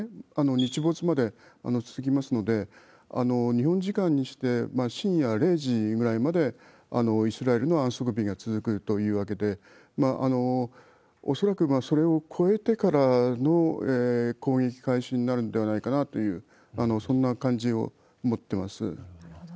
日没まで続きますので、日本時間にして深夜０時ぐらいまでイスラエルの安息日が続くというわけで、恐らく、それを越えてからの攻撃開始になるのではないかなという、なるほど。